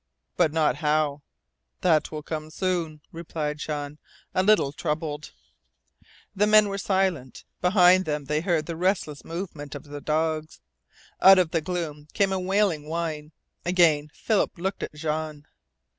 "But not how." "That will come soon," replied Jean, a little troubled. The men were silent. Behind them they heard the restless movement of the dogs. Out of the gloom came a wailing whine. Again Philip looked at Jean.